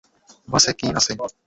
বাসে কি আছে?